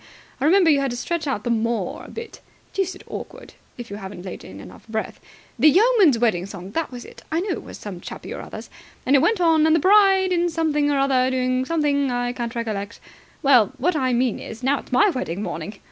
I remember you had to stretch out the 'mor' a bit. Deuced awkward, if you hadn't laid in enough breath. 'The Yeoman's Wedding Song.' That was it. I knew it was some chappie or other's. And it went on 'And the bride in something or other is doing something I can't recollect.' Well, what I mean is, now it's my wedding morning!